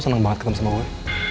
senang banget ketemu sama gue